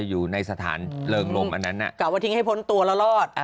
อยู่ในสถานเริงลมอันนั้นกล่าวว่าทิ้งให้พ้นตัวแล้วรอด